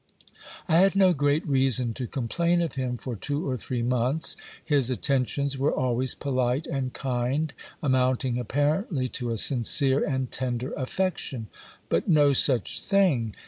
I had no great reason to complain of him for two or three months. His at tentions were always polite and kind, amounting apparently to a sincere and tender affection. But no such thing